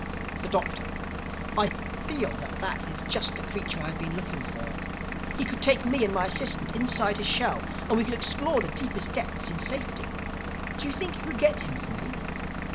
The Doctor: "I feel that that is just the creature I have been looking for. He could take me and my assistant inside his shell and we could explore the deepest depths in safety. Do you think you could get him for me?"